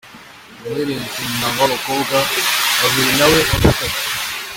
umuhererezi mu muryango wabakobwa babiri nawe wa gatatu.